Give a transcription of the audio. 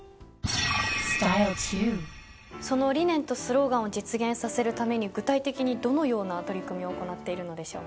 その理念とスローガンを実現させるために具体的にどのような取り組みを行っているのでしょうか？